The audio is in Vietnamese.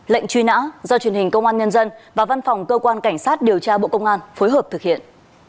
lệnh truy nã do truyền hình công an nhân dân và văn phòng cơ quan cảnh sát điều tra bộ công an phối hợp thực hiện